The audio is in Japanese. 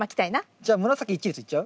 じゃあ紫１列いっちゃう？